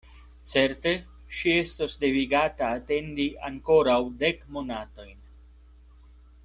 Certe ŝi estos devigata atendi ankoraŭ dek monatojn.